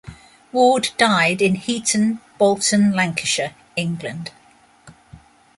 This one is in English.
Ward died in Heaton, Bolton, Lancashire, England.